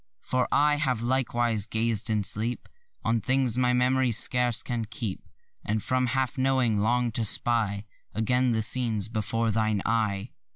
For I have likewise gazed in sleep On things my mem'ry scarce can keep. And from half knowing long to spy Again the scenes before thine eye.